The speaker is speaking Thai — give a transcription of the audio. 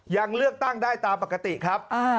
ยังเลือกตั้งได้ตามปกติครับ